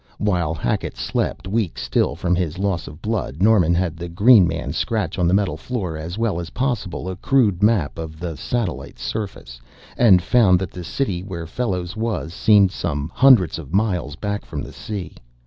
While Hackett slept, weak still from his loss of blood, Norman had the green man scratch on the metal floor as well as possible a crude map of the satellite's surface, and found that the city, where Fellows was, seemed some hundreds of miles back from the sea.